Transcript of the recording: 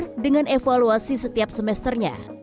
dan memiliki keuntungan yang lebih tinggi dari setiap semester